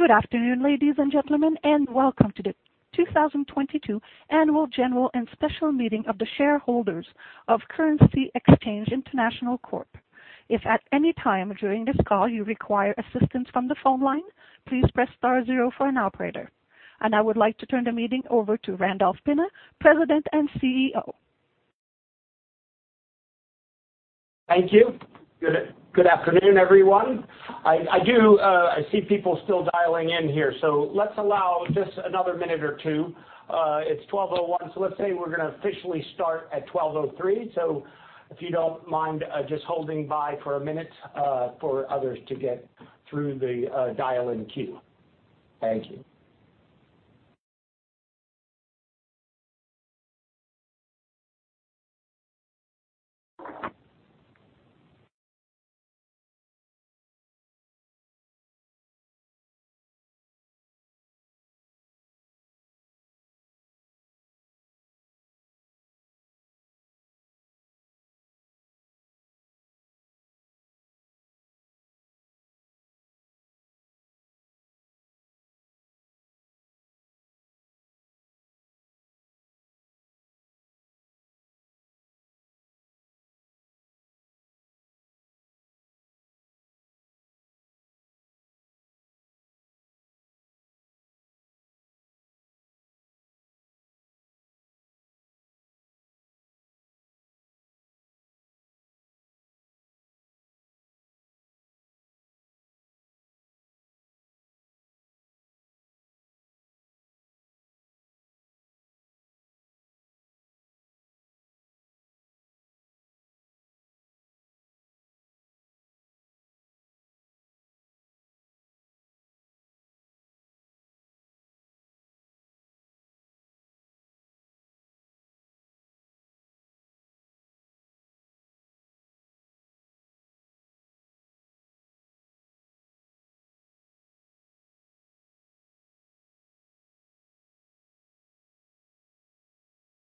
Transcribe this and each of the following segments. Good afternoon, ladies and gentlemen, and welcome to the 2022 Annual General and Special Meeting of the Shareholders of Currency Exchange International, Corp. If at any time during this call you require assistance from the phone line, please press star zero for an operator. I would like to turn the meeting over to Randolph Pinna, President and CEO. Thank you. Good afternoon, everyone. I see people still dialing in here, so let's allow just another minute or two. It's 12:01 P.M., so let's say we're going to officially start at 12:03 P.M. If you don't mind just holding by for a minute for others to get through the dial-in queue. Thank you.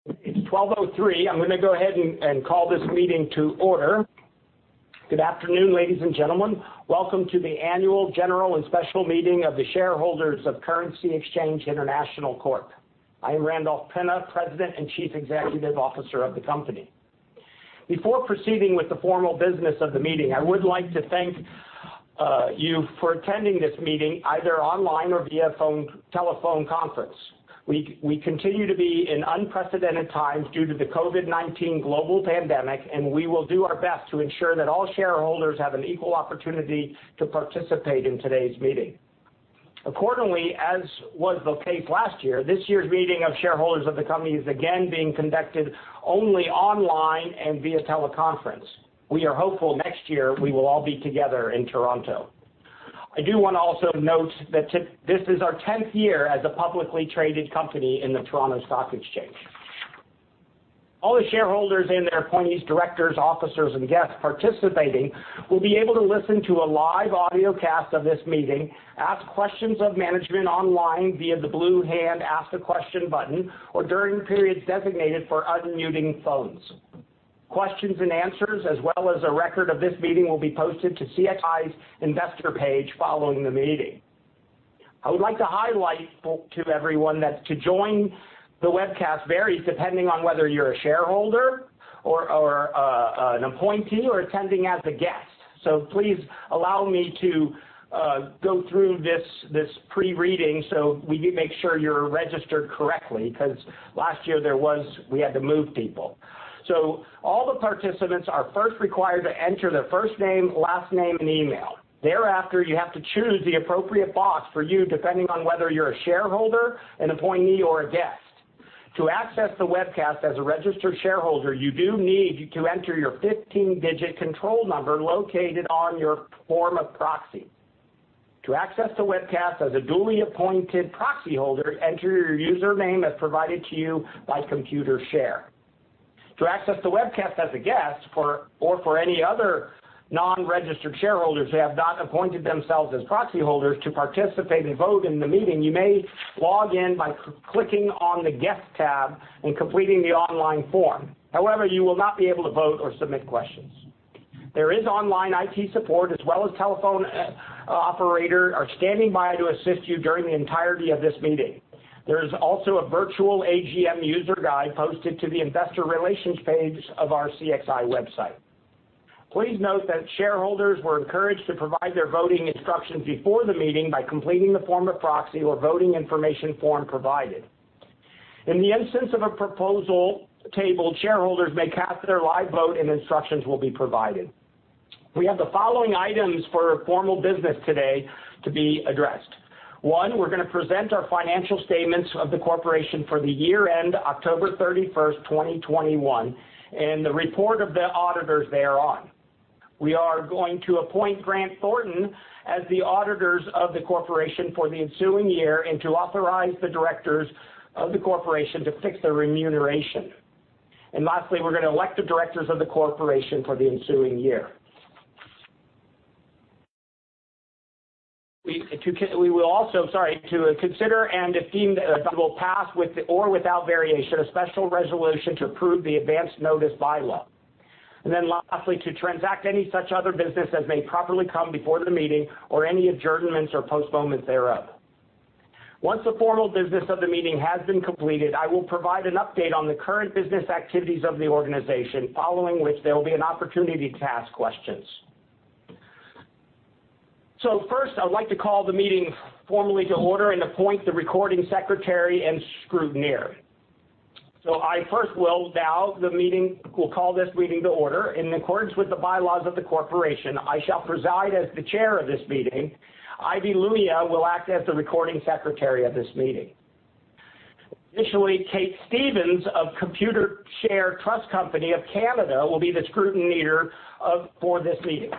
It's 12:03 P.M. I'm going to go ahead and call this meeting to order. Good afternoon, ladies and gentlemen. Welcome to the Annual General and Special Meeting of the Shareholders of Currency Exchange International, Corp. I am Randolph Pinna, President and Chief Executive Officer of the company. Before proceeding with the formal business of the meeting, I would like to thank you for attending this meeting either online or via telephone conference. We continue to be in unprecedented times due to the COVID-19 global pandemic, and we will do our best to ensure that all shareholders have an equal opportunity to participate in today's meeting. Accordingly, as was the case last year, this year's meeting of shareholders of the company is again being conducted only online and via teleconference. We are hopeful next year we will all be together in Toronto. I do want to also note that this is our 10th year as a publicly traded company in the Toronto Stock Exchange. All the shareholders and their appointees, directors, officers, and guests participating will be able to listen to a live audiocast of this meeting, ask questions of management online via the blue hand ask a question button, or during periods designated for unmuting phones. Questions and answers, as well as a record of this meeting will be posted to CXI's investor page following the meeting. I would like to highlight to everyone that to join the webcast varies depending on whether you're a shareholder or an appointee or attending as a guest. Please allow me to go through this pre-reading so we do make sure you're registered correctly, because last year we had to move people. All the participants are first required to enter their first name, last name and email. Thereafter, you have to choose the appropriate box for you depending on whether you're a shareholder, an appointee or a guest. To access the webcast as a registered shareholder, you do need to enter your 15-digit control number located on your form of proxy. To access the webcast as a duly appointed proxy holder, enter your username as provided to you by Computershare. To access the webcast as a guest or for any other non-registered shareholders who have not appointed themselves as proxy holders to participate and vote in the meeting, you may log in by clicking on the guest tab and completing the online form. However, you will not be able to vote or submit questions. There is online IT support as well as telephone operators are standing by to assist you during the entirety of this meeting. There is also a virtual AGM user guide posted to the investor relations page of our CXI website. Please note that shareholders were encouraged to provide their voting instructions before the meeting by completing the form of proxy or voting information form provided. In the instance of a proposal table, shareholders may cast their live vote and instructions will be provided. We have the following items for formal business today to be addressed. One, we're going to present our financial statements of the corporation for the year end October 31st, 2021, and the report of the auditors thereon. We are going to appoint Grant Thornton as the auditors of the corporation for the ensuing year, and to authorize the directors of the corporation to fix their remuneration. Lastly, we're going to elect the directors of the corporation for the ensuing year. To consider and, if deemed, will pass with or without variation, a special resolution to approve the advance notice bylaw. Lastly, to transact any such other business as may properly come before the meeting or any adjournments or postponements thereof. Once the formal business of the meeting has been completed, I will provide an update on the current business activities of the organization, following which there will be an opportunity to ask questions. First, I'd like to call the meeting formally to order and appoint the recording secretary and scrutineer. I first will now call this meeting to order. In accordance with the bylaws of the corporation, I shall preside as the chair of this meeting. Ivy Lumia will act as the recording secretary of this meeting. Additionally, Kate Stevens of Computershare Trust Company of Canada will be the scrutineer for this meeting.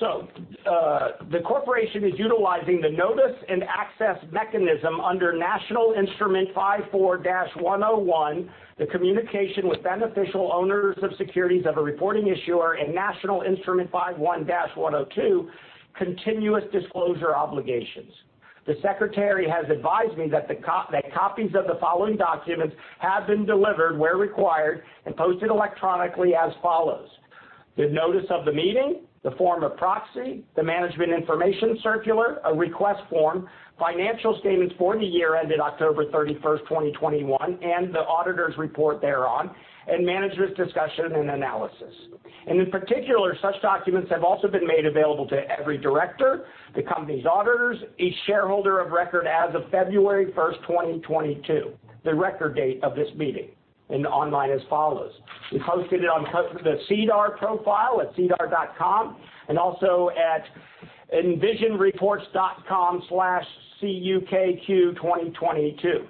The corporation is utilizing the notice and access mechanism under National Instrument 54-101, the communication with beneficial owners of securities of a reporting issuer, and National Instrument 51-102, continuous disclosure obligations. The secretary has advised me that copies of the following documents have been delivered where required and posted electronically as follows: the notice of the meeting, the form of proxy, the management information circular, a request form, financial statements for the year ended October 31st, 2021, and the auditors' report thereon, and management's discussion and analysis. In particular, such documents have also been made available to every director, the company's auditors, each shareholder of record as of February 1st, 2022, the record date of this meeting, and online as follows. We've hosted it on the SEDAR profile at sedar.com and also at envisionreports.com/cxifx2022.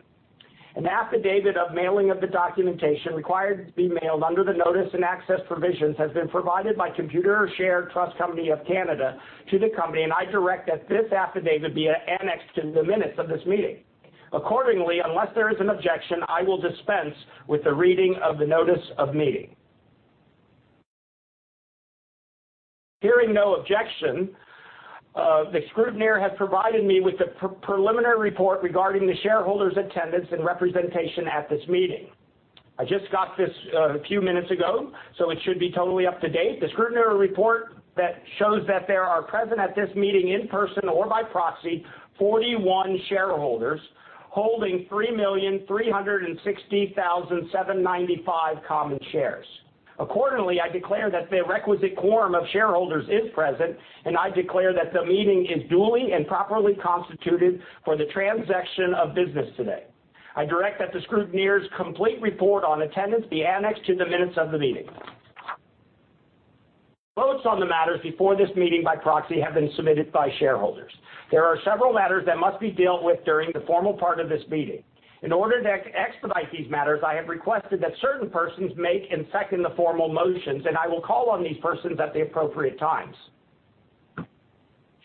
An affidavit of mailing of the documentation required to be mailed under the notice and access provisions has been provided by Computershare Trust Company of Canada to the company, and I direct that this affidavit be annexed to the minutes of this meeting. Accordingly, unless there is an objection, I will dispense with the reading of the notice of meeting. Hearing no objection, the scrutineer has provided me with the preliminary report regarding the shareholders' attendance and representation at this meeting. I just got this a few minutes ago, so it should be totally up to date. The scrutineer's report that shows that there are present at this meeting in person or by proxy, 41 shareholders holding 3,360,795 common shares. Accordingly, I declare that the requisite quorum of shareholders is present, and I declare that the meeting is duly and properly constituted for the transaction of business today. I direct that the scrutineer's complete report on attendance be annexed to the minutes of the meeting. Votes on the matters before this meeting by proxy have been submitted by shareholders. There are several matters that must be dealt with during the formal part of this meeting. In order to expedite these matters, I have requested that certain persons make and second the formal motions, and I will call on these persons at the appropriate times.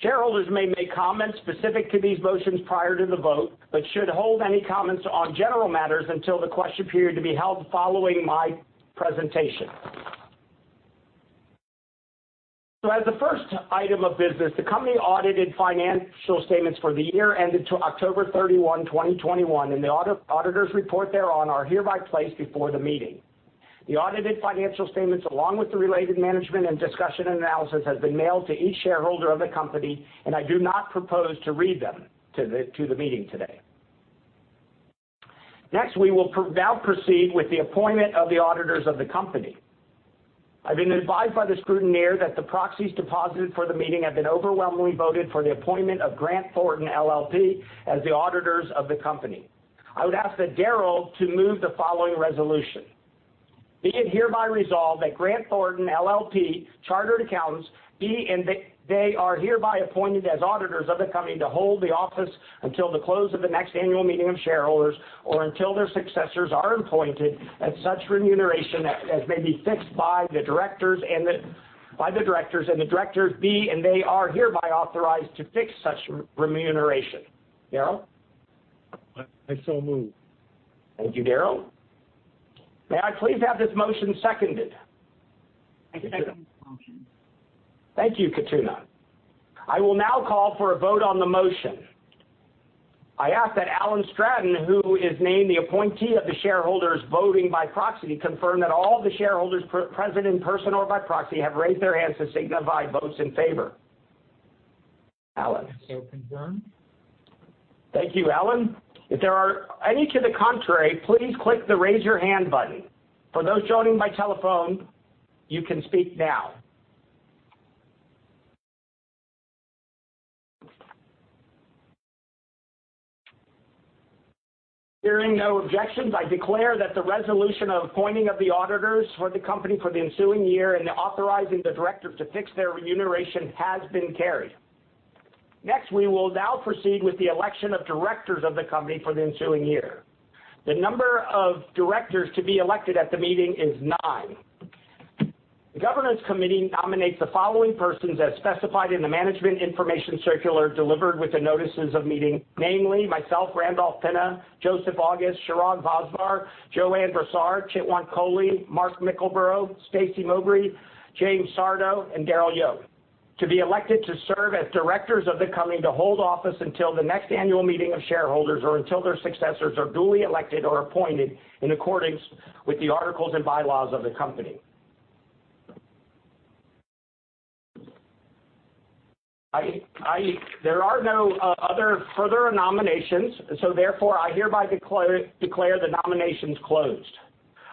Shareholders may make comments specific to these motions prior to the vote but should hold any comments on general matters until the question period to be held following my presentation. As the first item of business, the company's audited financial statements for the year ended October 31, 2021, and the auditors' report thereon are hereby placed before the meeting. The audited financial statements, along with the related management's discussion and analysis, have been mailed to each shareholder of the Company, and I do not propose to read them to the meeting today. Next, we will now proceed with the appointment of the auditors of the company. I've been advised by the scrutineer that the proxies deposited for the meeting have been overwhelmingly voted for the appointment of Grant Thornton LLP as the auditors of the company. I would ask Daryl to move the following resolution. Be it hereby resolved that Grant Thornton LLP, chartered accountants, be and they are hereby appointed as auditors of the company to hold the office until the close of the next annual meeting of shareholders or until their successors are appointed at such remuneration as may be fixed by the directors, and the directors be, and they are hereby authorized to fix such remuneration. Daryl? I so move. Thank you, Daryl. May I please have this motion seconded? I second the motion. Thank you, Khatuna. I will now call for a vote on the motion. I ask that Alan Stratton, who is named the appointee of the shareholders voting by proxy, confirm that all the shareholders present in person or by proxy have raised their hands to signify votes in favor. Alan? Confirmed. Thank you, Alan. If there are any to the contrary, please click the raise your hand button. For those joining by telephone, you can speak now. Hearing no objections, I declare that the resolution of appointing of the auditors for the company for the ensuing year and authorizing the directors to fix their remuneration has been carried. Next, we will now proceed with the election of directors of the company for the ensuing year. The number of directors to be elected at the meeting is nine. The governance committee nominates the following persons as specified in the management information circular delivered with the notices of meeting, namely myself, Randolph Pinna, Joseph August, Chirag Bhavsar, Johanne Brossard, Chitwant Kohli, Mark Mickleborough, Stacey Mowbray, James Sardo, and Daryl Yeo. To be elected to serve as directors of the company, to hold office until the next annual meeting of shareholders, or until their successors are duly elected or appointed in accordance with the articles and bylaws of the company. There are no other further nominations, so therefore I hereby declare the nominations closed.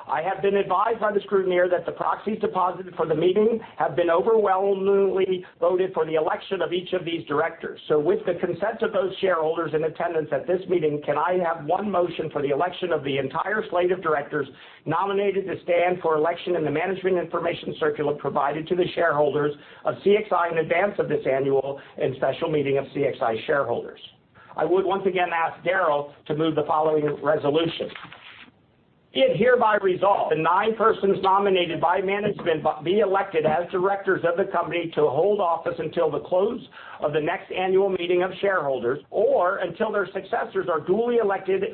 I have been advised by the scrutineer that the proxies deposited for the meeting have been overwhelmingly voted for the election of each of these directors. With the consent of those shareholders in attendance at this meeting, can I have one motion for the election of the entire slate of directors nominated to stand for election in the management information circular provided to the shareholders of CXI in advance of this annual and special meeting of CXI shareholders? I would once again ask Daryl to move the following resolution. Be it hereby resolved the nine persons nominated by management be elected as directors of the company to hold office until the close of the next annual meeting of shareholders, or until their successors are duly elected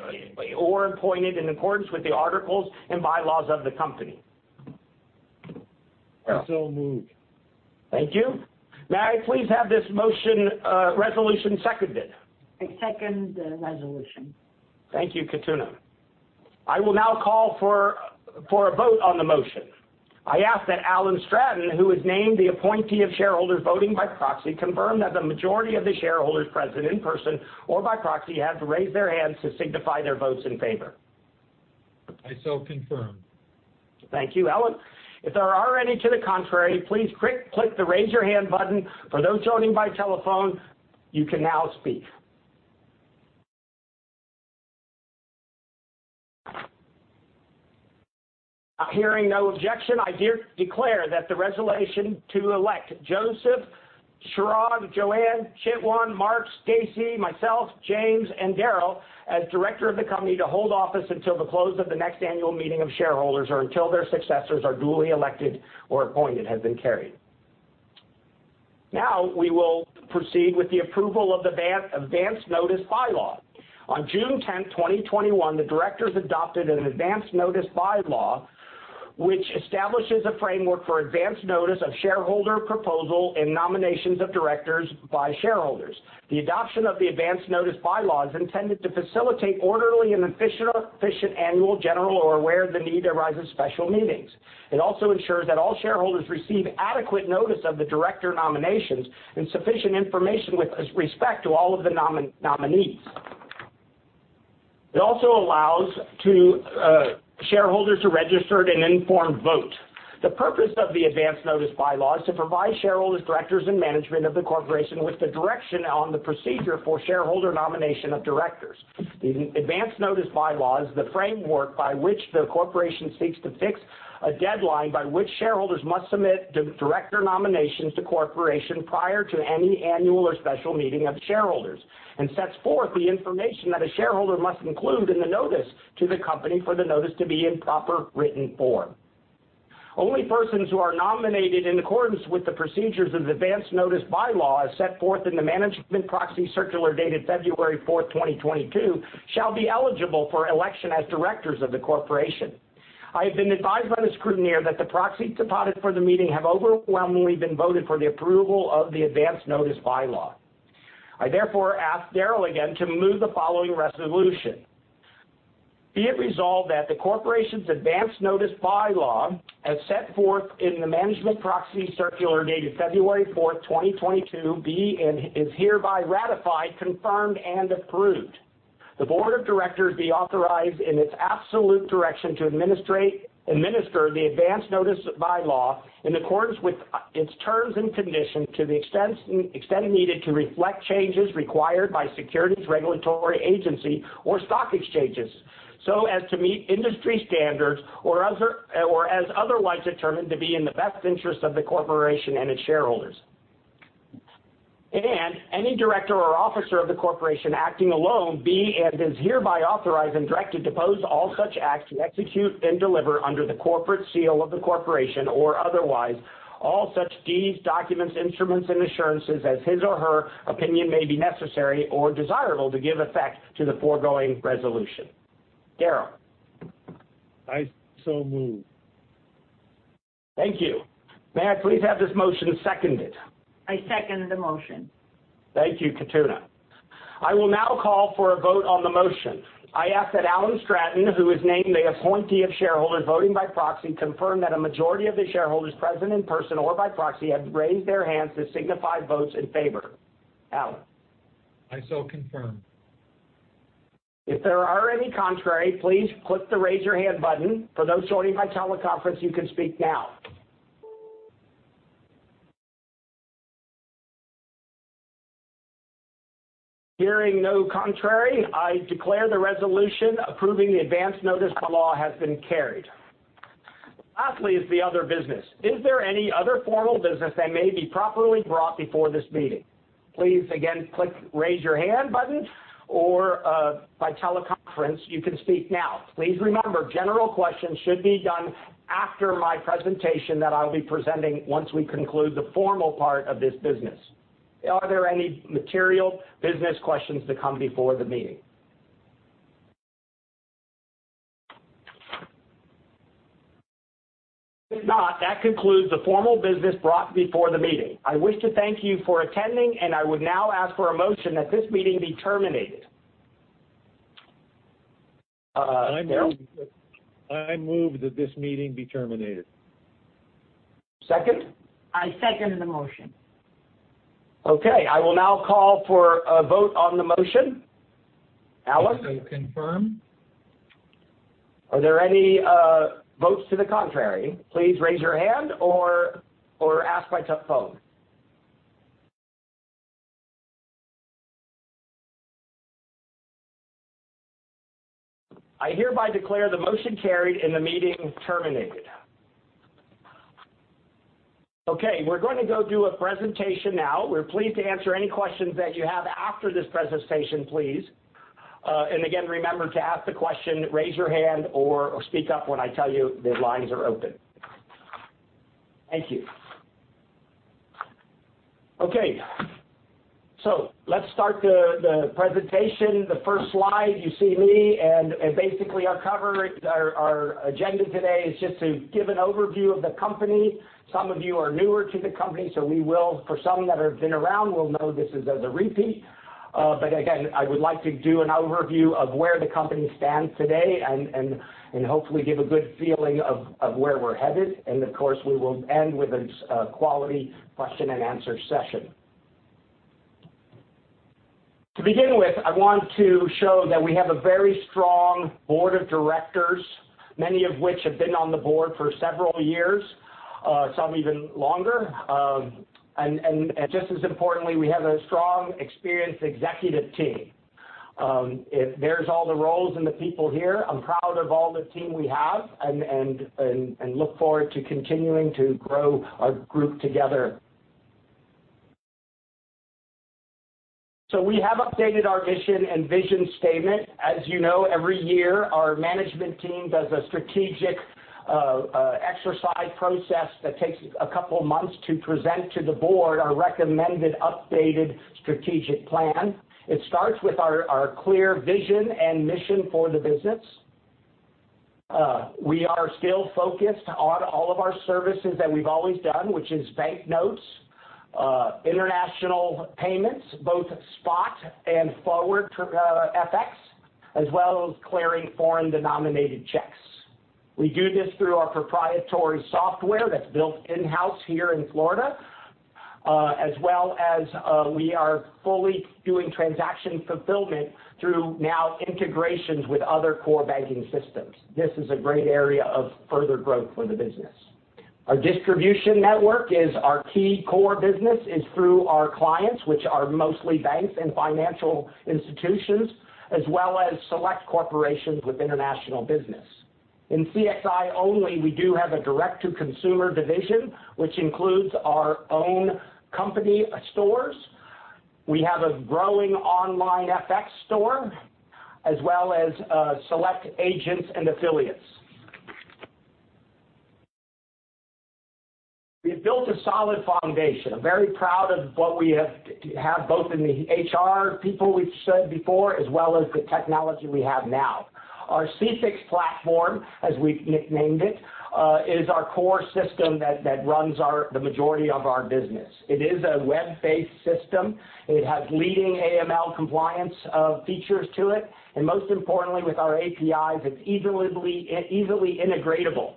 or appointed in accordance with the articles and bylaws of the company. I so move. Thank you. May I please have this motion resolution seconded? I second the resolution. Thank you, Khatuna. I will now call for a vote on the motion. I ask that Alan Stratton, who is named the appointee of shareholders voting by proxy, confirm that the majority of the shareholders present in person or by proxy have raised their hands to signify their votes in favor. I so confirm. Thank you, Alan. If there are any to the contrary, please click the raise your hand button. For those joining by telephone, you can now speak. Hearing no objection, I declare that the resolution to elect Joseph, Chirag, Johanne, Chitwant, Mark, Stacey, myself, James, and Daryl as director of the company to hold office until the close of the next annual meeting of shareholders or until their successors are duly elected or appointed has been carried. Now we will proceed with the approval of the advance notice bylaw. On June 10th, 2021, the directors adopted an advance notice bylaw, which establishes a framework for advance notice of shareholder proposal and nominations of directors by shareholders. The adoption of the advance notice bylaw is intended to facilitate orderly and efficient annual general or where the need arises, special meetings. It also ensures that all shareholders receive adequate notice of the director nominations and sufficient information with respect to all of the nominees. It also allows shareholders to register an informed vote. The purpose of the advance notice bylaw is to provide shareholders, directors, and management of the corporation with the direction on the procedure for shareholder nomination of directors. The advance notice bylaw is the framework by which the corporation seeks to fix a deadline by which shareholders must submit director nominations to the corporation prior to any annual, or special meeting of shareholders and sets forth the information that a shareholder must include in the notice to the company for the notice to be in proper written form. Only persons who are nominated in accordance with the procedures of the advance notice bylaw, as set forth in the management proxy circular dated February 4th, 2022, shall be eligible for election as directors of the corporation. I have been advised by the scrutineer that the proxies deposited for the meeting have overwhelmingly been voted for the approval of the advance notice bylaw. I therefore ask Daryl again to move the following resolution. Be it resolved that the corporation's advance notice bylaw, as set forth in the management proxy circular dated February 4th, 2022, be and is hereby ratified, confirmed, and approved. The board of directors be authorized in its absolute discretion to administer the advance notice bylaw in accordance with its terms and conditions to the extent needed to reflect changes required by securities regulatory agency or stock exchanges, so as to meet industry standards or as otherwise determined to be in the best interest of the corporation and its shareholders. Any director or officer of the corporation acting alone, be and is hereby authorized and directed to do all such acts to execute and deliver under the corporate seal of the corporation or otherwise, all such deeds, documents, instruments, and assurances as in his or her opinion may be necessary or desirable to give effect to the foregoing resolution. Daryl? I so move. Thank you. May I please have this motion seconded? I second the motion. Thank you, Khatuna. I will now call for a vote on the motion. I ask that Alan Stratton, who is named the appointee of shareholders voting by proxy, confirm that a majority of the shareholders present in person or by proxy have raised their hands to signify votes in favor. Alan? I so confirm. If there are any contrary, please click the raise your hand button. For those joining by teleconference, you can speak now. Hearing no contrary, I declare the resolution approving the advance notice bylaw has been carried. Lastly is the other business. Is there any other formal business that may be properly brought before this meeting? Please again, click raise your hand button or by teleconference, you can speak now. Please remember, general questions should be done after my presentation that I'll be presenting once we conclude the formal part of this business. Are there any material business questions to come before the meeting? If not, that concludes the formal business brought before the meeting. I wish to thank you for attending, and I would now ask for a motion that this meeting be terminated. I Daryl, I move that this meeting be terminated. Second? I second the motion. Okay. I will now call for a vote on the motion. Alan? Confirmed. Are there any votes to the contrary? Please raise your hand or ask by phone. I hereby declare the motion carried and the meeting terminated. Okay. We're going to go do a presentation now. We're pleased to answer any questions that you have after this presentation, please. Again, remember to ask the question, raise your hand or speak up when I tell you the lines are open. Thank you. Okay, let's start the presentation. The first slide you see is me and basically our cover. Our agenda today is just to give an overview of the company. Some of you are newer to the company, so for some that have been around, will know this is a repeat. Again, I would like to do an overview of where the company stands today and hopefully give a good feeling of where we're headed. Of course, we will end with a quality question-and-answer session. To begin with, I want to show that we have a very strong board of directors, many of which have been on the board for several years, some even longer. Just as importantly, we have a strong, experienced executive team. There's all the roles and the people here. I'm proud of all the team we have and look forward to continuing to grow our group together. We have updated our mission and vision statement. As you know, every year our management team does a strategic exercise process that takes a couple of months to present to the board our recommended updated strategic plan. It starts with our clear vision and mission for the business. We are still focused on all of our services that we've always done, which is banknotes, international payments, both spot and forward FX, as well as clearing foreign-denominated checks. We do this through our proprietary software that's built in-house here in Florida. As well as, we are fully doing transaction fulfillment through our integrations with other core banking systems. This is a great area of further growth for the business. Our distribution network is our key core business through our clients, which are mostly banks and financial institutions, as well as select corporations with international business. In CXI only, we do have a direct-to-consumer division, which includes our own company stores. We have a growing online FX store, as well as select agents and affiliates. We have built a solid foundation. I'm very proud of what we have both in the HR people we've said before, as well as the technology we have now. Our CXIFX platform, as we've nicknamed it, is our core system that runs the majority of our business. It is a web-based system. It has leading AML compliance features to it, and most importantly with our APIs, it's easily integratable.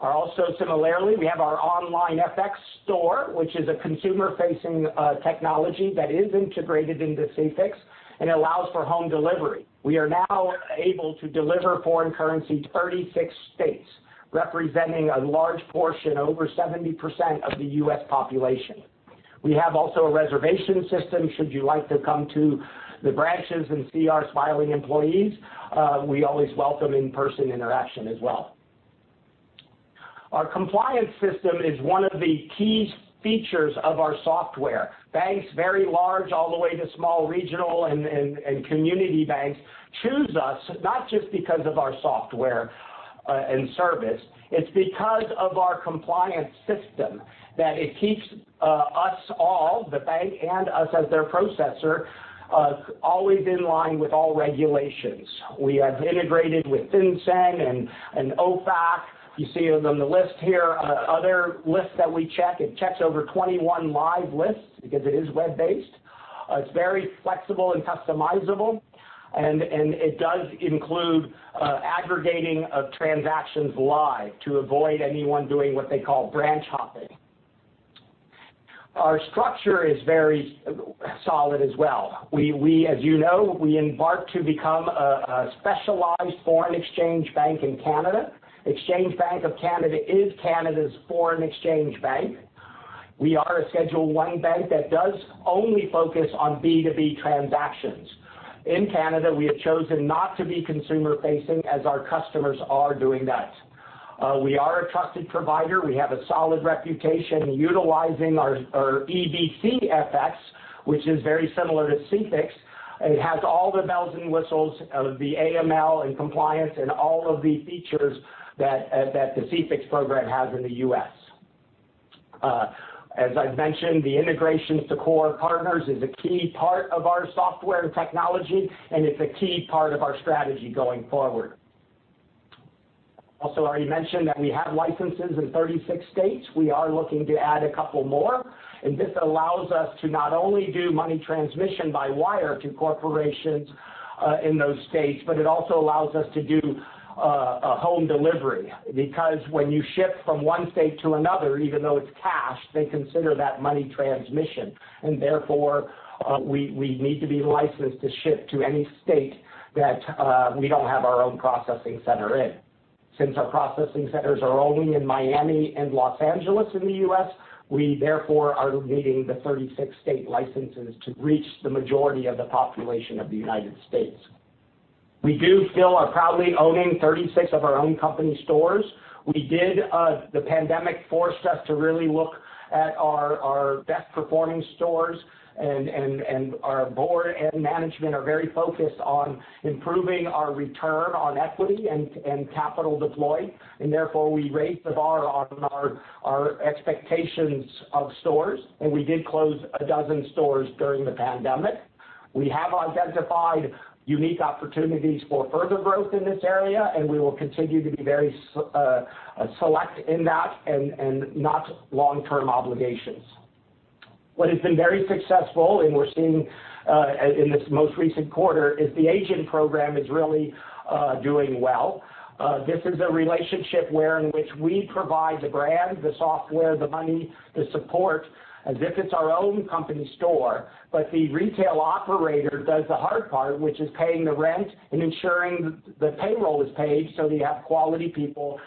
Also similarly, we have our online FX store, which is a consumer-facing technology that is integrated into CXIFX and allows for home delivery. We are now able to deliver foreign currency in 36 states, representing a large portion, over 70% of the U.S. population. We have also a reservation system, should you like to come to the branches and see our smiling employees. We always welcome in-person interaction as well. Our compliance system is one of the key features of our software. Banks, very large, all the way to small regional and community banks, choose us not just because of our software and service. It's because of our compliance system, that it keeps us all, the bank, and us as their processor, always in line with all regulations. We have integrated with FinCEN and OFAC. You see it on the list here. Other lists that we check, it checks over 21 live lists because it is web-based. It's very flexible and customizable, and it does include aggregating of transactions live to avoid anyone doing what they call branch hopping. Our structure is very solid as well. We, as you know, we embarked to become a specialized foreign exchange bank in Canada. Exchange Bank of Canada is Canada's foreign exchange bank. We are a Schedule I bank that does only focus on B2B transactions. In Canada, we have chosen not to be consumer-facing as our customers are doing that. We are a trusted provider. We have a solid reputation utilizing our EBC FX, which is very similar to CXIFX. It has all the bells and whistles of the AML and compliance and all of the features that the CXIFX program has in the U.S. As I've mentioned, the integrations to core partners is a key part of our software and technology, and it's a key part of our strategy going forward. As already mentioned that we have licenses in 36 states. We are looking to add a couple more, and this allows us to not only do money transmission by wire to corporations in those states, but it also allows us to do a home delivery. Because when you ship from one state to another, even though it's cash, they consider that money transmission, and therefore, we need to be licensed to ship to any state that we don't have our own processing center in. Since our processing centers are only in Miami and Los Angeles in the U.S., we therefore are needing the 36 state licenses to reach the majority of the population of the United States. We do still are proudly owning 36 of our own company stores. The pandemic forced us to really look at our best performing stores, and our board and management are very focused on improving our return on equity and capital deployed. Therefore, we raised the bar on our expectations of stores, and we did close a dozen stores during the pandemic. We have identified unique opportunities for further growth in this area, and we will continue to be very select in that and not long-term obligations. What has been very successful, and we're seeing in this most recent quarter, is the agent program really doing well. This is a relationship where in which we provide the brand, the software, the money, the support as if it's our own company store. But the retail operator does the hard part, which is paying the rent and ensuring the payroll is paid so you have quality people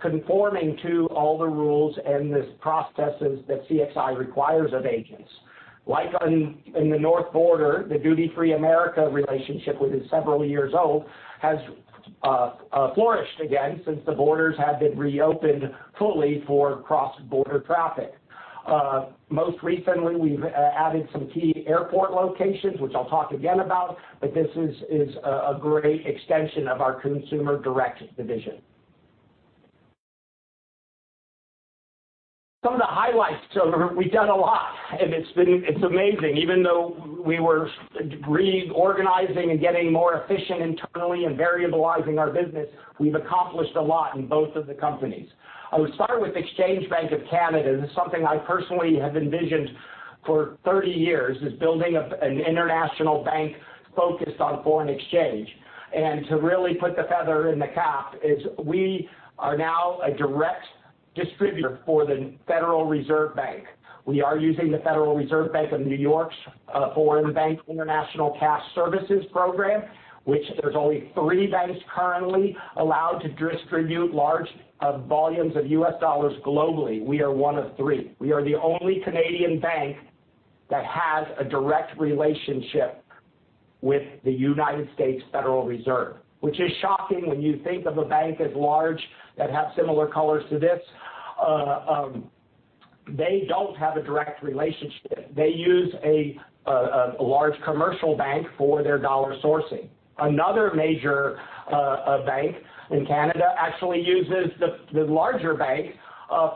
conforming to all the rules and the processes that CXI requires of agents. Like in the northern border, the Duty Free Americas relationship, which is several years old, has flourished again since the borders have been reopened fully for cross-border traffic. Most recently, we've added some key airport locations, which I'll talk again about, but this is a great extension of our consumer direct division. Some of the highlights. We've done a lot, and it's amazing. Even though we were reorganizing and getting more efficient internally and variabilizing our business, we've accomplished a lot in both of the companies. I would start with Exchange Bank of Canada. This is something I personally have envisioned for 30 years, is building an international bank focused on foreign exchange. To really put the feather in the cap is we are now a direct distributor for the Federal Reserve Bank. We are using the Federal Reserve Bank of New York's Foreign Bank International Cash Services program, which there's only three banks currently allowed to distribute large volumes of U.S. dollars globally. We are one of three. We are the only Canadian bank that has a direct relationship with the U.S. Federal Reserve. Which is shocking when you think of a bank as large that have similar colors to this. They don't have a direct relationship. They use a large commercial bank for their dollar sourcing. Another major bank in Canada actually uses the larger bank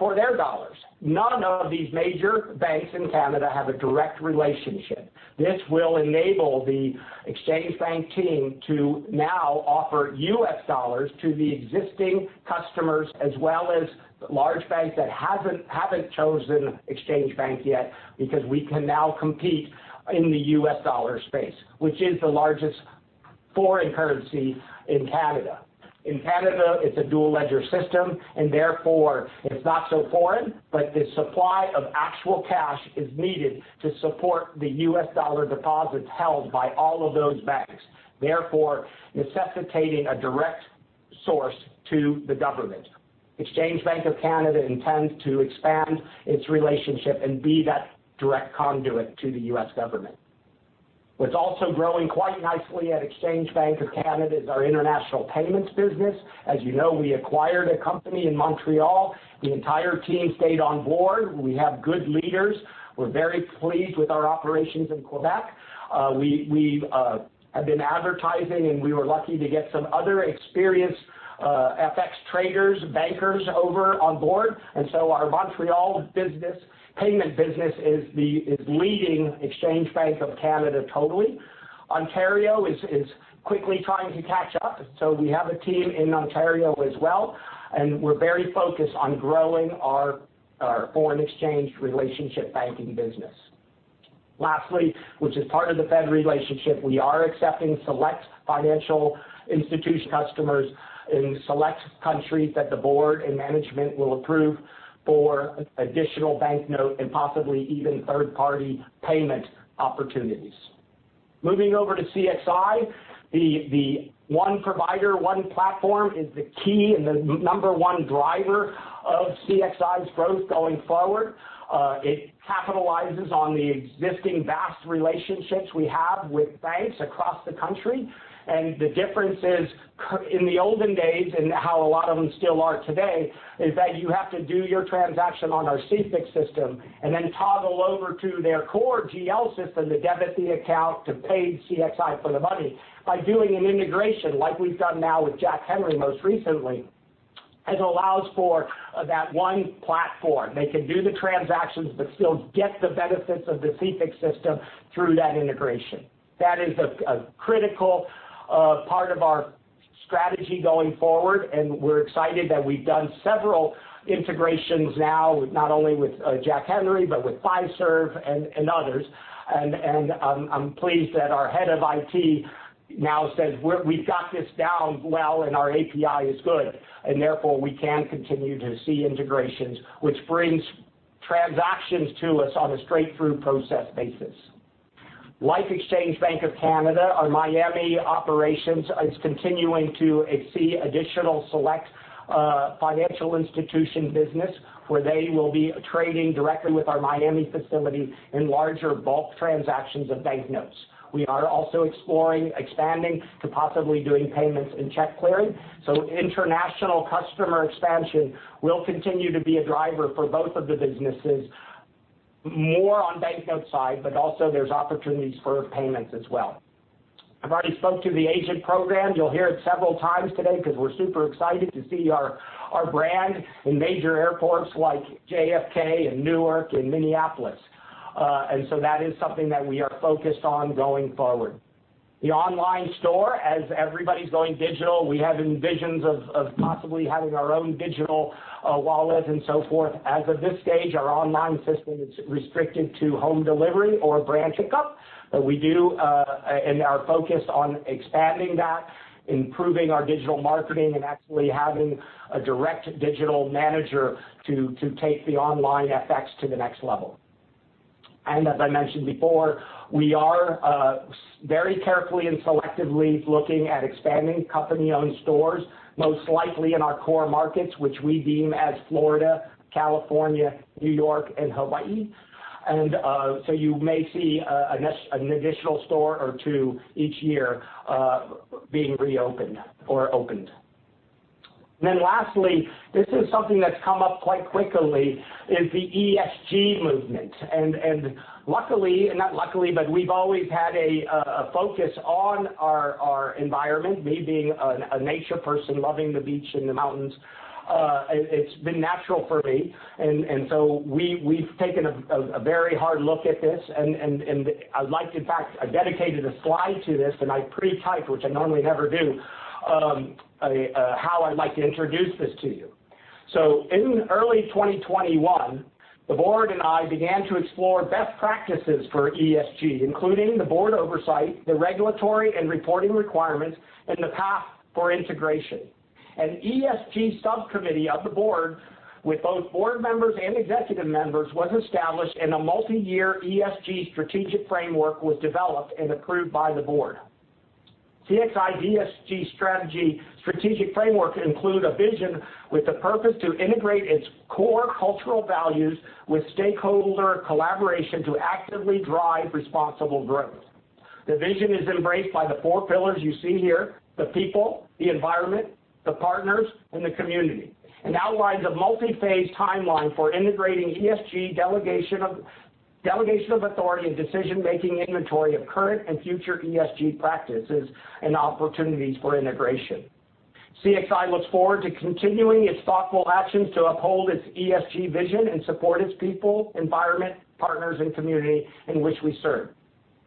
for their dollars. None of these major banks in Canada have a direct relationship. This will enable the Exchange Bank team to now offer U.S. dollars to the existing customers as well as large banks that haven't chosen Exchange Bank yet because we can now compete in the U.S. dollar space, which is the largest foreign currency in Canada. In Canada, it's a dual ledger system, and therefore it's not so foreign, but the supply of actual cash is needed to support the US dollar deposits held by all of those banks, therefore necessitating a direct source to the government. Exchange Bank of Canada intends to expand its relationship and be that direct conduit to the U.S. Government. What's also growing quite nicely at Exchange Bank of Canada is our international payments business. As you know, we acquired a company in Montréal. The entire team stayed on board. We have good leaders. We're very pleased with our operations in Québec. We have been advertising, and we were lucky to get some other experienced FX traders, bankers over on board. Our Montréal payment business is leading Exchange Bank of Canada totally. Ontario is quickly trying to catch up, so we have a team in Ontario as well, and we're very focused on growing our foreign exchange relationship banking business. Lastly, which is part of the Fed relationship, we are accepting select financial institution customers in select countries that the board and management will approve for additional banknote and possibly even third-party payment opportunities. Moving over to CXI, the One Provider, One Platform is the key and the number one driver of CXI's growth going forward. It capitalizes on the existing vast relationships we have with banks across the country. The difference is, in the olden days and how a lot of them still are today, is that you have to do your transaction on our CXIFX system and then toggle over to their core GL system to debit the account to pay CXI for the money by doing an integration like we've done now with Jack Henry most recently. It allows for that one platform. They can do the transactions but still get the benefits of the CXIFX system through that integration. That is a critical part of our strategy going forward, and we're excited that we've done several integrations now, not only with Jack Henry, but with Fiserv and others. I'm pleased that our head of IT now says, "We've got this down well, and our API is good." Therefore, we can continue to see integrations, which brings transactions to us on a straight-through process basis. Exchange Bank of Canada, our Miami operations is continuing to see additional select financial institution business where they will be trading directly with our Miami facility in larger bulk transactions of banknotes. We are also exploring expanding to possibly doing payments and check clearing. International customer expansion will continue to be a driver for both of the businesses, more on banknote side, but also there's opportunities for payments as well. I've already spoke to the agent program. You'll hear it several times today because we're super excited to see our brand in major airports like JFK and Newark and Minneapolis. That is something that we are focused on going forward. The online store, as everybody's going digital, we have visions of possibly having our own digital wallet and so forth. As of this stage, our online system is restricted to home delivery or branch pickup. We do and are focused on expanding that, improving our digital marketing, and actually having a direct digital manager to take the online FX to the next level. As I mentioned before, we are very carefully and selectively looking at expanding company-owned stores, most likely in our core markets, which we deem as Florida, California, New York, and Hawaii. You may see an additional store or two each year being reopened or opened. Lastly, this is something that's come up quite quickly, is the ESG movement. Luckily, not luckily, but we've always had a focus on our environment, me being a nature person, loving the beach and the mountains, it's been natural for me. We've taken a very hard look at this. In fact, I dedicated a slide to this, and I pre-typed, which I normally never do, how I'd like to introduce this to you. In early 2021, the board and I began to explore best practices for ESG, including the board oversight, the regulatory and reporting requirements, and the path for integration. An ESG subcommittee of the board with both board members and executive members was established, and a multi-year ESG strategic framework was developed and approved by the board. CXI's ESG strategic framework includes a vision with the purpose to integrate its core cultural values with stakeholder collaboration to actively drive responsible growth. The vision is embraced by the four pillars you see here, the people, the environment, the partners, and the community, and outlines a multi-phase timeline for integrating ESG delegation of authority and decision-making inventory of current and future ESG practices and opportunities for integration. CXI looks forward to continuing its thoughtful actions to uphold its ESG vision and support its people, environment, partners, and community in which we serve.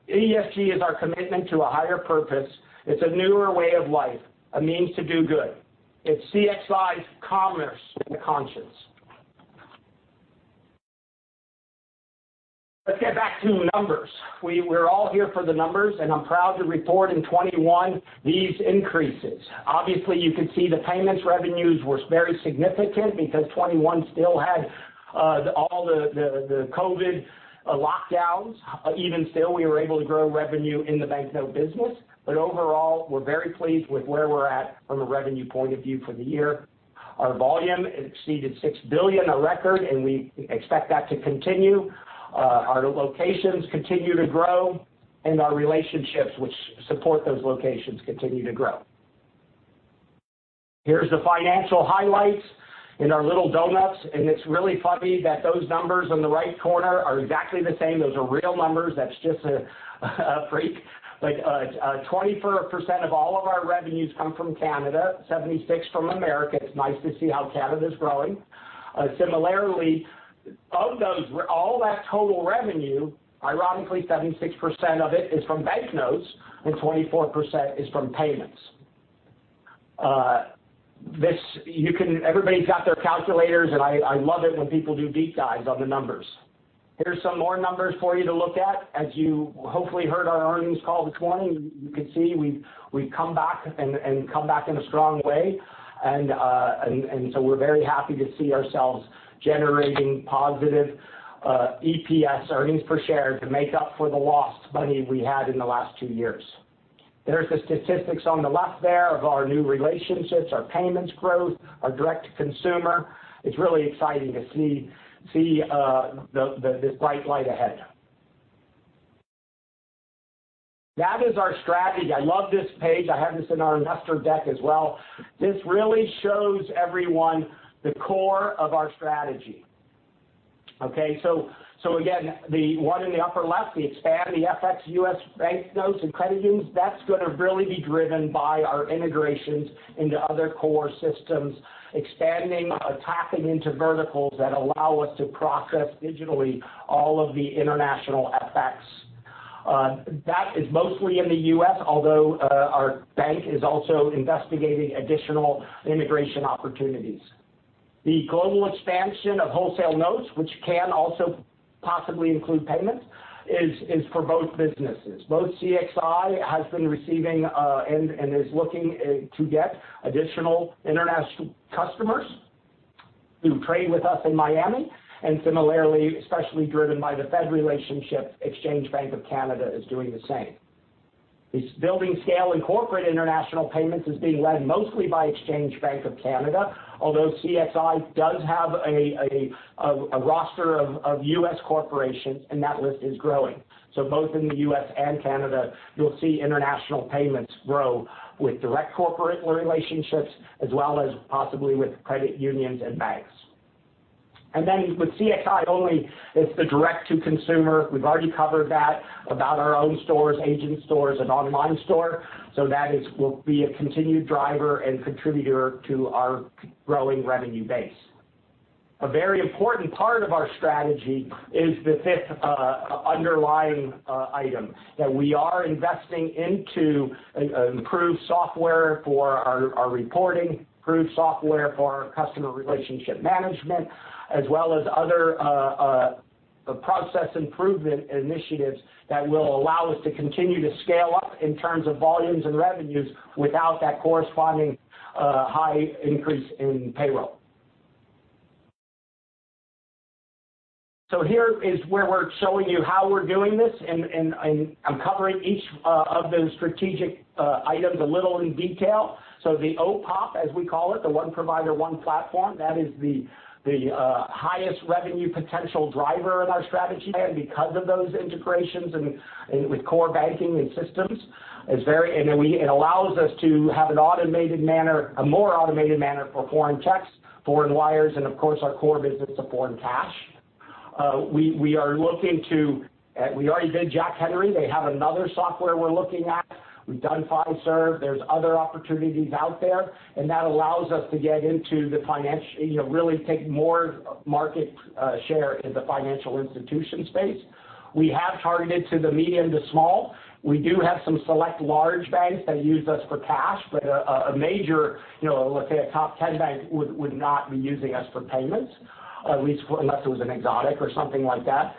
ESG is our commitment to a higher purpose. It's a newer way of life, a means to do good. It's CXI's commerce in the conscience. Let's get back to numbers. We're all here for the numbers, and I'm proud to report in 2021 these increases. Obviously, you can see the payments revenues was very significant because 2021 still had all the COVID lockdowns. Even still, we were able to grow revenue in the banknote business. Overall, we're very pleased with where we're at from a revenue point of view for the year. Our volume exceeded $6 billion, a record, and we expect that to continue. Our locations continue to grow, and our relationships which support those locations continue to grow. Here's the financial highlights in our little donuts, and it's really funny that those numbers on the right corner are exactly the same. Those are real numbers. That's just a freak. 24% of all of our revenues come from Canada, 76% from America. It's nice to see how Canada is growing. Similarly, of all that total revenue, ironically, 76% of it is from banknotes and 24% is from payments. Everybody's got their calculators, and I love it when people do deep dives on the numbers. Here's some more numbers for you to look at. As you hopefully heard our earnings call this morning, you can see we've come back in a strong way. We're very happy to see ourselves generating positive EPS, earnings per share, to make up for the lost money we had in the last two years. There's the statistics on the left there of our new relationships, our payments growth, our direct-to-consumer. It's really exciting to see this bright light ahead. That is our strategy. I love this page. I have this in our investor deck as well. This really shows everyone the core of our strategy, okay. Again, the one in the upper left, the expansion the FX U.S. bank notes and credit unions, that's going to really be driven by our integrations into other core systems, expanding, tapping into verticals that allow us to process digitally all of the international FX. That is mostly in the U.S., although our bank is also investigating additional integration opportunities. The global expansion of wholesale notes, which can also possibly include payments, is for both businesses. Both CXI has been receiving, and is looking to get additional international customers who trade with us in Miami, and similarly, especially driven by the Fed relationship, Exchange Bank of Canada is doing the same. This building scale in corporate international payments is being led mostly by Exchange Bank of Canada, although CXI does have a roster of U.S. corporations, and that list is growing. Both in the U.S. and Canada, you'll see international payments grow with direct corporate relationships, as well as possibly with credit unions and banks. With CXI only, it's the direct to consumer. We've already covered that about our own stores, agent stores, and online store. That will be a continued driver and contributor to our growing revenue base. A very important part of our strategy is the fifth underlying item, that we are investing into improved software for our reporting, improved software for customer relationship management, as well as other process improvement initiatives that will allow us to continue to scale up in terms of volumes and revenues without that corresponding high increase in payroll. Here is where we're showing you how we're doing this, and I'm covering each of those strategic items a little in detail. The OPOP, as we call it, the One Provider One Platform, that is the highest revenue potential driver in our strategy because of those integrations with core banking and systems. It allows us to have a more automated manner for foreign checks, foreign wires, and of course, our core business of foreign cash. We already did Jack Henry. They have another software we're looking at. We've done Fiserv. There's other opportunities out there, and that allows us to get into the financial institution space, really take more market share in the financial institution space. We have targeted to the medium to small. We do have some select large banks that use us for cash, but a major, let's say a top 10 bank would not be using us for payments, at least unless it was an exotic or something like that.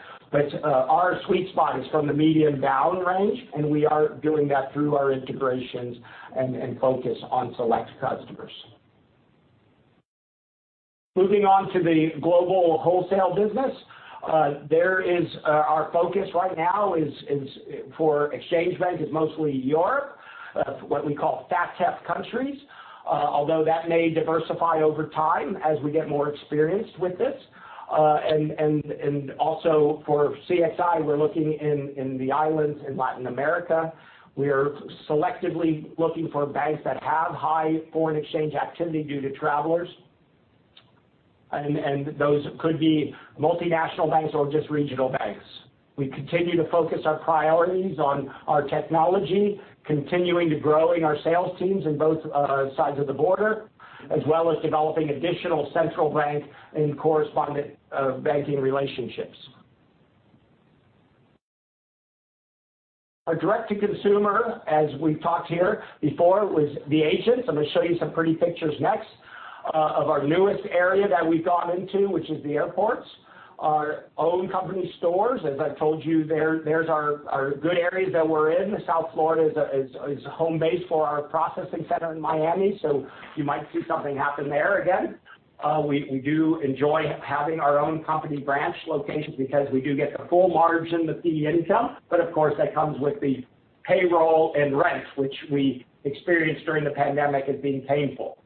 Our sweet spot is from the medium down range and we are doing that through our integrations and focus on select customers. Moving on to the global wholesale business. Our focus right now for Exchange Bank is mostly Europe, what we call FATF countries. Although that may diversify over time as we get more experienced with this. Also for CXI, we're looking in the islands in Latin America. We are selectively looking for banks that have high foreign exchange activity due to travelers. Those could be multinational banks or just regional banks. We continue to focus our priorities on our technology, continuing to growing our sales teams in both sides of the border, as well as developing additional central bank and correspondent banking relationships. Our direct to consumer, as we've talked here before, was the agents. I'm going to show you some pretty pictures next of our newest area that we've gone into, which is the airports. Our own company stores, as I've told you, there's our good areas that we're in. South Florida is a home base for our processing center in Miami. You might see something happen there again. We do enjoy having our own company branch locations because we do get the full margin, the fee income. Of course, that comes with the payroll and rent, which we experienced during the pandemic as being painful.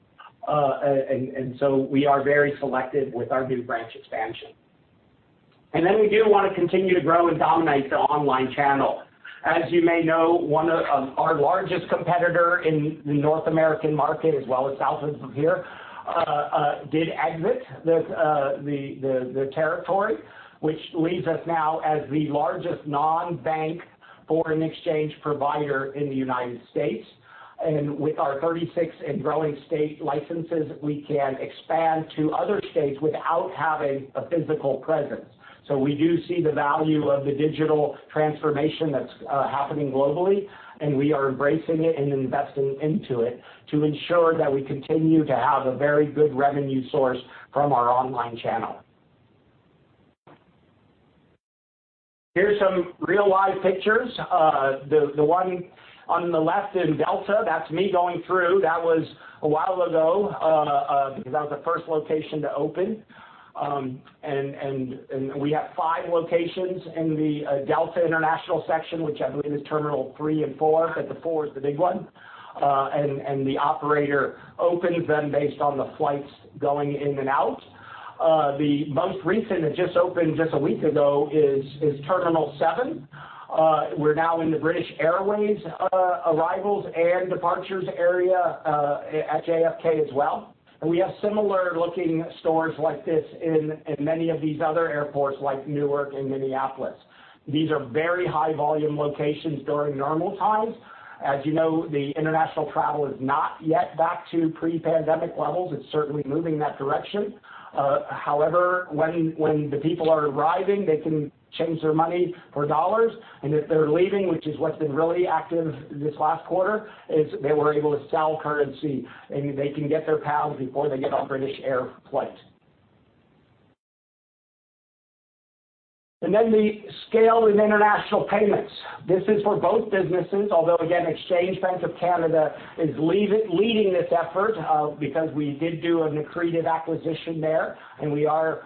We are very selective with our new branch expansion. We do want to continue to grow and dominate the online channel. As you may know, one of our largest competitor in the North American market, as well as south of here, did exit the territory, which leaves us now as the largest non-bank foreign exchange provider in the United States. With our 36 and growing state licenses, we can expand to other states without having a physical presence. We do see the value of the digital transformation that's happening globally, and we are embracing it and investing into it to ensure that we continue to have a very good revenue source from our online channel. Here's some real live pictures. The one on the left in Delta, that's me going through. That was a while ago, because that was the first location to open. We have five locations in the Delta International section, which I believe is terminal three and four, but the four is the big one. The operator opens them based on the flights going in and out. The most recent, it just opened just a week ago is terminal seven. We're now in the British Airways arrivals and departures area at JFK as well. We have similar looking stores like this in many of these other airports, like Newark and Minneapolis. These are very high-volume locations during normal times. As you know, the international travel is not yet back to pre-pandemic levels. It's certainly moving in that direction. However, when the people are arriving, they can change their money for dollars, and if they're leaving, which is what's been really active this last quarter, is they were able to sell currency, and they can get their pounds before they get on British Airways flight. The scale in international payments. This is for both businesses, although again, Exchange Bank of Canada is leading this effort because we did do an accretive acquisition there, and we are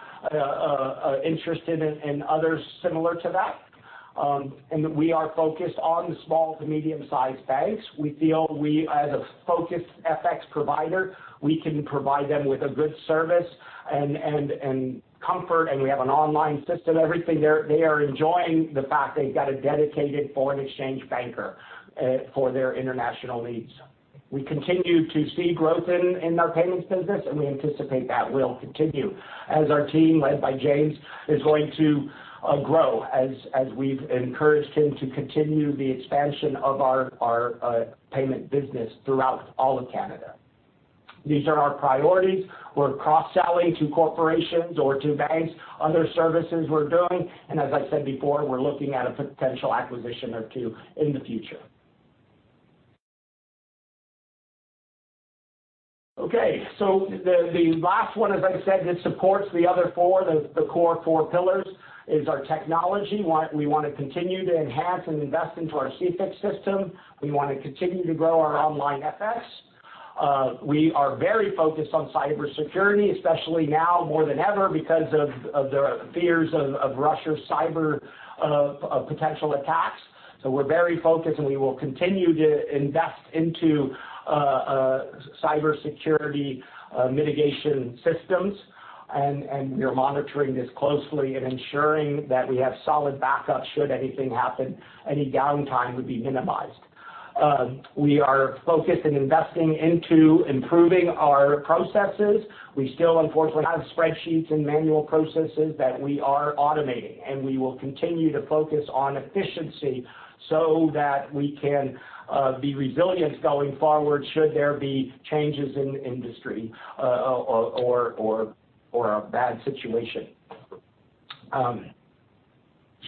interested in others similar to that. We are focused on small to medium-sized banks. We feel as a focused FX provider, we can provide them with a good service and comfort, and we have an online system, everything. They are enjoying the fact they've got a dedicated foreign exchange banker for their international needs. We continue to see growth in our payments business, and we anticipate that will continue as our team, led by James, is going to grow as we've encouraged him to continue the expansion of our payment business throughout all of Canada. These are our priorities. We're cross-selling to corporations or to banks, other services we're doing. As I said before, we're looking at a potential acquisition or two in the future. Okay, the last one, as I said, that supports the other four, the core four pillars, is our technology. We want to continue to enhance and invest into our CXIFX system. We want to continue to grow our online FX. We are very focused on cybersecurity, especially now more than ever, because of the fears of Russia cyber potential attacks. We're very focused, and we will continue to invest into cybersecurity mitigation systems. We are monitoring this closely and ensuring that we have solid backup. Should anything happen, any downtime would be minimized. We are focused in investing into improving our processes. We still unfortunately have spreadsheets and manual processes that we are automating, and we will continue to focus on efficiency so that we can be resilient going forward should there be changes in industry or a bad situation,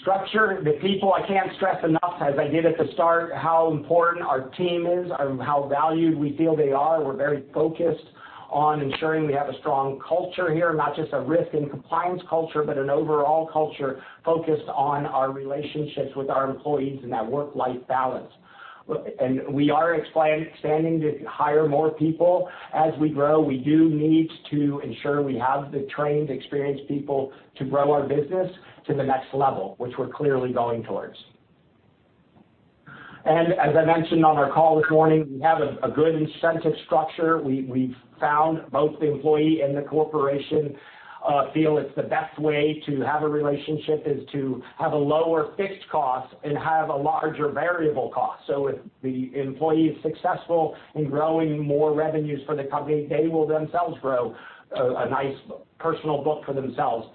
structure, the people. I can't stress enough, as I did at the start, how important our team is and how valued we feel they are. We're very focused on ensuring we have a strong culture here. Not just a risk and compliance culture, but an overall culture focused on our relationships with our employees and that work-life balance. We are expanding to hire more people. As we grow, we do need to ensure we have the trained, experienced people to grow our business to the next level, which we're clearly going towards. As I mentioned on our call this morning, we have a good incentive structure. We've found both the employee and the corporation feel it's the best way to have a relationship, is to have a lower fixed cost and have a larger variable cost. If the employee is successful in growing more revenues for the company, they will themselves grow a nice personal book for themselves.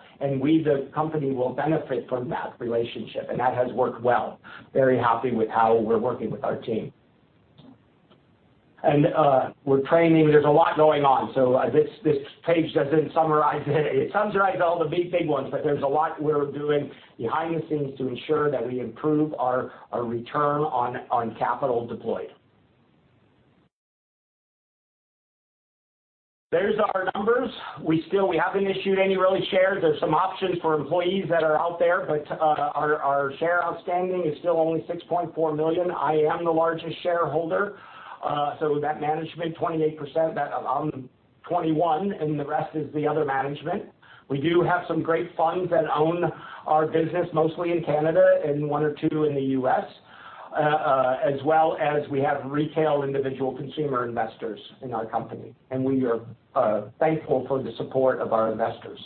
We, the company, will benefit from that relationship. That has worked well. Very happy with how we're working with our team. We're training, there's a lot going on. This page doesn't summarize it. It summarizes all the big ones. There's a lot we're doing behind the scenes to ensure that we improve our return on capital deployed. Here are our numbers. We haven't issued any new shares. There are some options for employees that are out there, but our shares outstanding is still only 6.4 million. I am the largest shareholder so management 28%, I'm 21%, and the rest is the other management. We do have some great funds that own our business, mostly in Canada and one or two in the U.S. as well as we have retail individual consumer investors in our company. We are thankful for the support of our investors.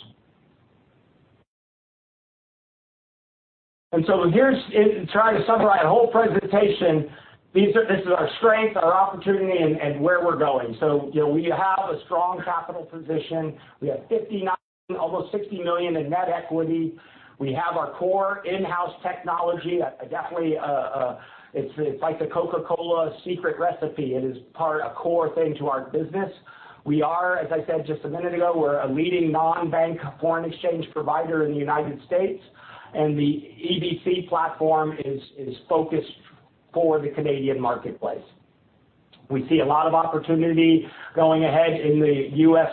Here's trying to summarize the whole presentation. This is our strength, our opportunity, and where we're going. We have a strong capital position. We have 59 million, almost 60 million in net equity. We have our core in-house technology. Definitely, it's like the Coca-Cola secret recipe. It is a core thing to our business. We are, as I said just a minute ago, we're a leading non-bank foreign exchange provider in the United States. The EBC FX platform is focused for the Canadian marketplace. We see a lot of opportunity going ahead in the U.S.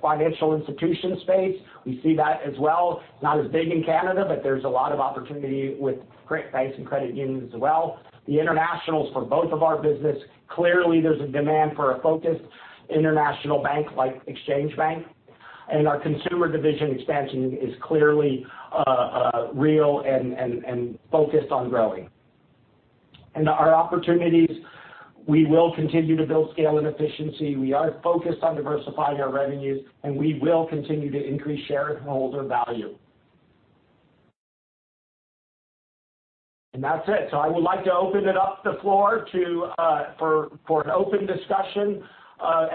financial institution space. We see that as well, not as big in Canada, but there's a lot of opportunity with credit banks and credit unions as well. The internationals for both of our business. Clearly, there's a demand for a focused international bank like Exchange Bank of Canada, and our consumer division expansion is clearly real and focused on growing. Our opportunities, we will continue to build scale and efficiency. We are focused on diversifying our revenues, and we will continue to increase shareholder value. That's it. I would like to open it up, the floor, for an open discussion.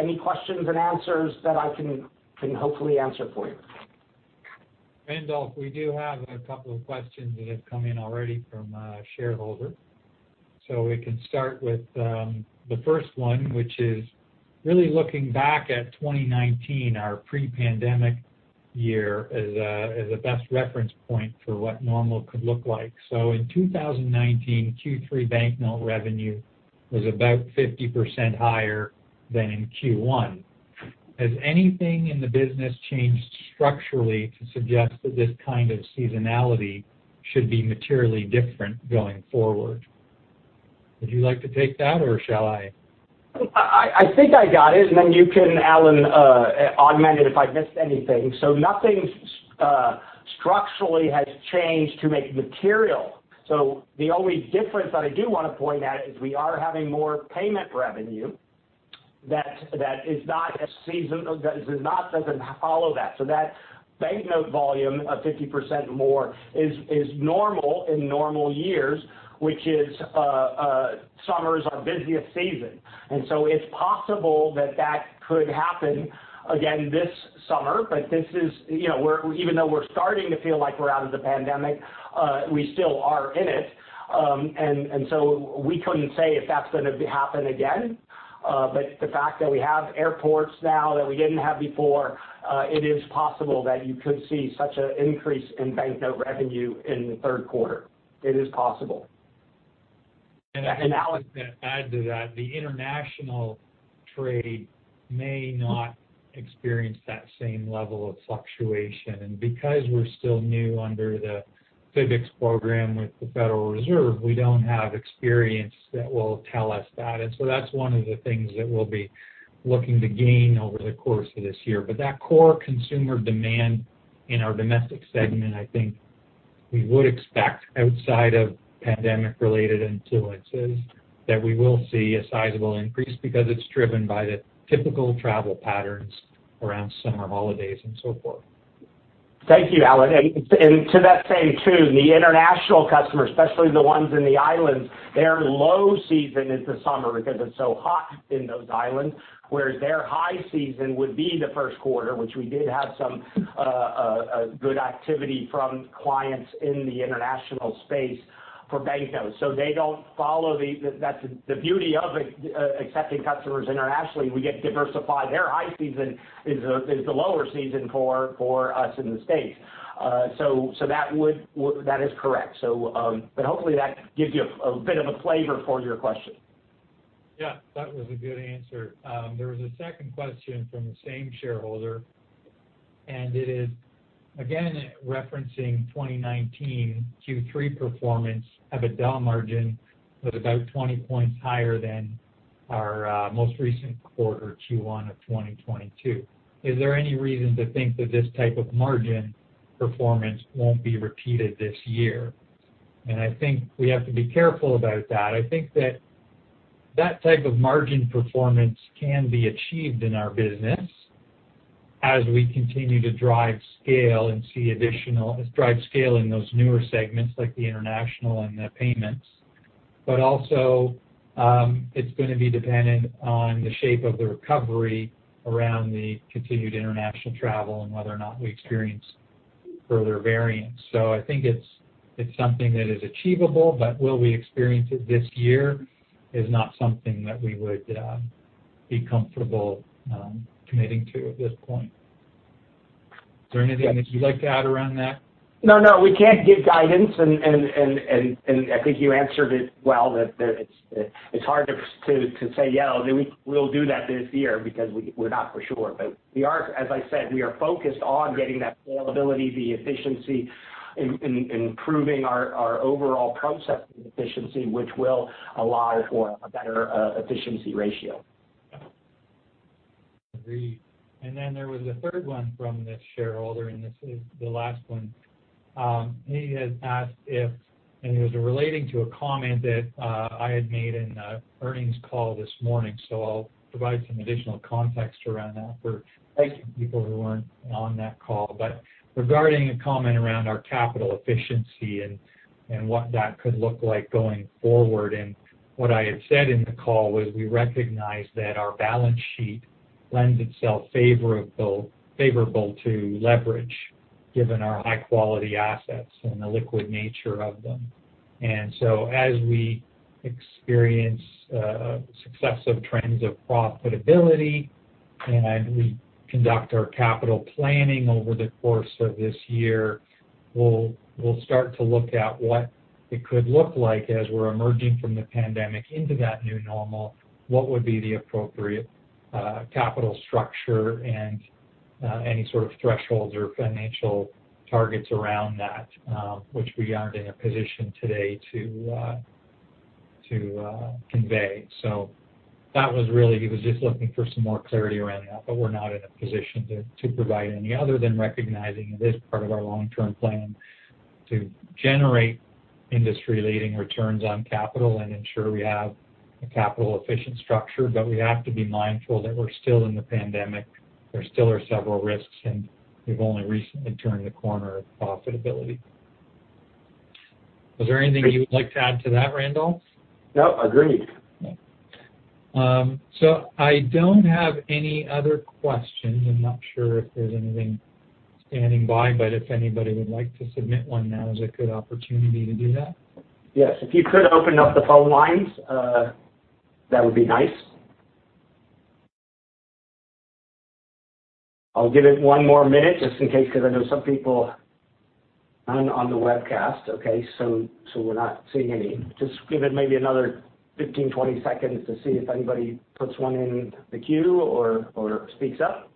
Any questions and answers that I can hopefully answer for you. Randolph, we do have a couple of questions that have come in already from a shareholder. We can start with the first one, which is really looking back at 2019, our pre-pandemic year, as a best reference point for what normal could look like. In 2019, Q3 banknote revenue was about 50% higher than in Q1. Has anything in the business changed structurally to suggest that this kind of seasonality should be materially different going forward? Would you like to take that or shall I? I think I got it, and then you can, Alan, augment it if I missed anything. Nothing structurally has changed to make material. The only difference that I do want to point out is we are having more payment revenue that doesn't follow that. That banknote volume of 50% more is normal in normal years, which is summer is our busiest season. It's possible that that could happen again this summer. Even though we're starting to feel like we're out of the pandemic, we still are in it. We couldn't say if that's going to happen again. The fact that we have airports now that we didn't have before, it is possible that you could see such an increase in banknote revenue in the third quarter. It is possible. It's Alan, can I add to that? The international trade may not experience that same level of fluctuation because we're still new under the FBICS program with the Federal Reserve, we don't have experience that will tell us that. That's one of the things that we'll be looking to gain over the course of this year. That core consumer demand in our domestic segment, I think we would expect outside of pandemic-related influences, that we will see a sizable increase because it's driven by the typical travel patterns around summer holidays and so forth. Thank you, Alan. To that same tune, the international customers, especially the ones in the islands, their low season is the summer because it's so hot in those islands, whereas their high season would be the first quarter, which we did have some good activity from clients in the international space for banknotes. That's the beauty of accepting customers internationally. We get to diversify. Their high season is the lower season for us in the States. That is correct. Hopefully that gives you a bit of a flavor for your question. Yeah, that was a good answer. There was a second question from the same shareholder, and it is again referencing 2019 Q3 performance of a deal margin was about 20 points higher than our most recent quarter, Q1 of 2022. Is there any reason to think that this type of margin performance won't be repeated this year? I think we have to be careful about that. I think that type of margin performance can be achieved in our business as we continue to drive scale in those newer segments like the international and the payments. Also, it's going to be dependent on the shape of the recovery around the continued international travel and whether or not we experience further variants. I think it's something that is achievable, but will we experience it this year is not something that we would be comfortable committing to at this point. Is there anything that you'd like to add around that? No, we can't give guidance, and I think you answered it well, that it's hard to say, "Yeah, we'll do that this year," because we're not for sure. As I said, we are focused on getting that scalability, the efficiency, improving our overall processing efficiency, which will allow for a better efficiency ratio. Agreed. Then there was a third one from this shareholder, and this is the last one. He had asked if, and it was relating to a comment that I had made in the earnings call this morning. I'll provide some additional context around that for people who weren't on that call. Regarding a comment around our capital efficiency and what that could look like going forward. What I had said in the call was we recognize that our balance sheet lends itself favorable to leverage given our high-quality assets and the liquid nature of them. As we experience successive trends of profitability and we conduct our capital planning over the course of this year, we'll start to look at what it could look like as we're emerging from the pandemic into that new normal, what would be the appropriate capital structure and any sort of thresholds or financial targets around that which we aren't in a position today to convey. That was really, he was just looking for some more clarity around that, but we're not in a position to provide any other than recognizing it is part of our long-term plan to generate industry-leading returns on capital and ensure we have a capital-efficient structure. We have to be mindful that we're still in the pandemic. There still are several risks, and we've only recently turned the corner of profitability. Was there anything you would like to add to that, Randolph? No, agreed. Okay. I don't have any other questions. I'm not sure if there's anything standing by, but if anybody would like to submit one, now is a good opportunity to do that. Yes. If you could open up the phone lines that would be nice. I'll give it one more minute just in case, because I know some people aren't on the webcast. Okay, so we're not seeing any. Just give it maybe another 15, 20 seconds to see if anybody puts one in the queue or speaks up.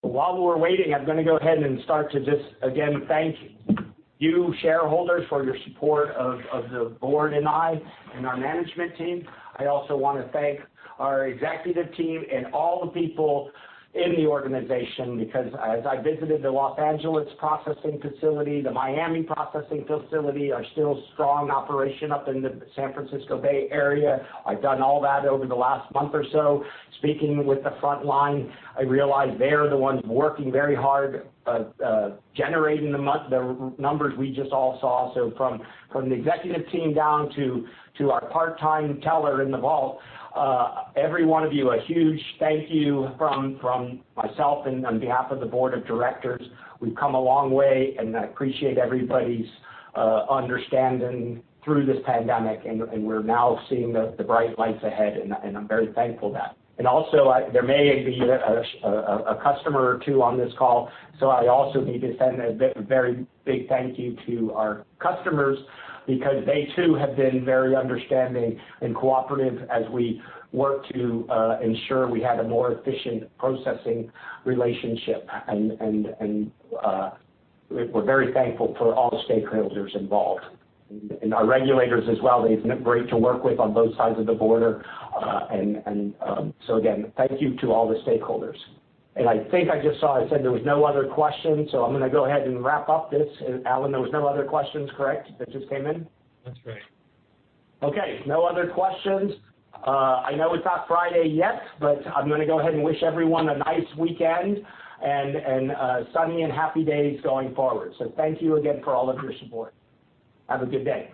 While we're waiting, I'm going to go ahead and start to just again, thank you shareholders for your support of the board and I and our management team. I also want to thank our executive team and all the people in the organization because as I visited the Los Angeles processing facility, the Miami processing facility, our still strong operation up in the San Francisco Bay Area, I've done all that over the last month or so. Speaking with the front line, I realize they're the ones working very hard at generating the numbers we just all saw. From the executive team down to our part-time teller in the vault, every one of you, a huge thank you from myself and on behalf of the board of directors. We've come a long way, and I appreciate everybody's understanding through this pandemic and we're now seeing the bright lights ahead, and I'm very thankful for that. Also, there may be a customer or two on this call, so I also need to send a very big thank you to our customers because they too have been very understanding and cooperative as we work to ensure we have a more efficient processing relationship. We're very thankful for all stakeholders involved. Our regulators as well, they've been great to work with on both sides of the border. Again, thank you to all the stakeholders. I think I just saw it said there was no other questions, so I'm going to go ahead and wrap up this. Alan, there was no other questions, correct? That just came in? That's right. Okay, no other questions. I know it's not Friday yet, but I'm going to go ahead and wish everyone a nice weekend, and sunny and happy days going forward. Thank you again for all of your support. Have a good day.